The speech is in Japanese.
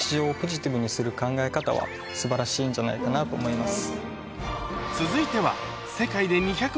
する考え方は素晴らしいんじゃないかなと思います。